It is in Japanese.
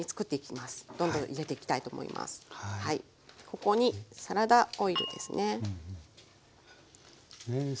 ここにサラダオイルですね。